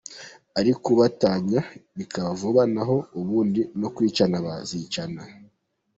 Ari ukubatanya bikaba vuba naho ubundi no kwicana bazicana”.